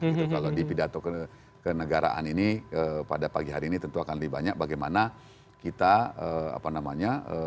kalau di pidato kenegaraan ini pada pagi hari ini tentu akan lebih banyak bagaimana kita apa namanya